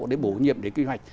để bổ nhiệm để kỳ hoạch